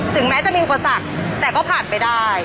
แม้จะมีอุปสรรคแต่ก็ผ่านไปได้